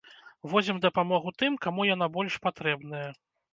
Возім дапамогу тым, каму яна больш патрэбная.